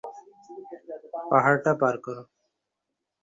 পাহাড়টা পার করো।